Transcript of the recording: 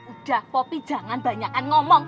udah kopi jangan banyakan ngomong